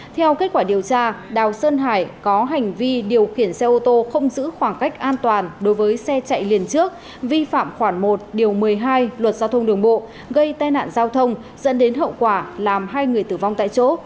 theo kết quả điều tra đào sơn hải có hành vi điều khiển xe ô tô không giữ khoảng cách an toàn đối với xe chạy liền trước vi phạm khoản một điều một mươi hai luật giao thông đường bộ gây tai nạn giao thông dẫn đến hậu quả làm hai người tử vong tại chỗ